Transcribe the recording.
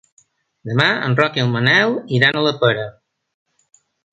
Demà en Roc i en Manel iran a la Pera.